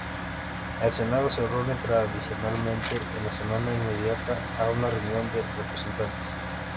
El Senado se reúne tradicionalmente en la semana inmediata a una reunión de Representantes.